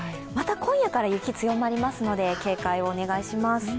また今夜から雪強まりますので、警戒をお願いします。